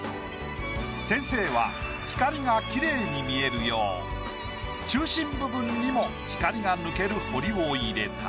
先生は光がきれいに見えるよう中心部分にも光が抜ける彫りを入れた。